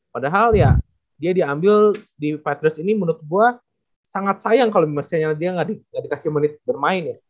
padahal ya dia diambil di patriots ini menurut gue sangat sayang kalau misalnya dia nggak dikasih menit bermain ya